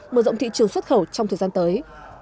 mở rộng thị trường xuất khẩu trong thời gian tới